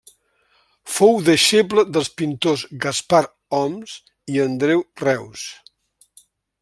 Fou deixeble dels pintors Gaspar Homs i Andreu Reus.